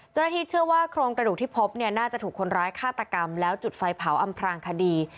เจ้าหน้าที่เชื่อว่าโครงกระดูกที่พบเนี่ยน่าจะถูกคนร้ายฆาตกรรมแล้วจุดไฟเผาอำพลางคดี